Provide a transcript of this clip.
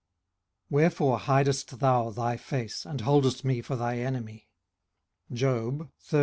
Wherefore hidest thou thy face, and holdest vie for thine enemy? â JOB XIII.